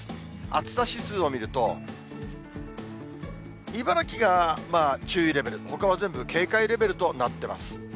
暑さ指数を見ると、茨城が注意レベル、ほかは全部、警戒レベルとなっています。